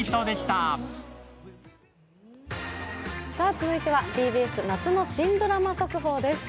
続いては、ＴＢＳ夏の新ドラマ速報です。